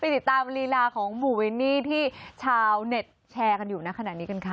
ติดตามลีลาของหมู่เวนนี่ที่ชาวเน็ตแชร์กันอยู่ในขณะนี้กันค่ะ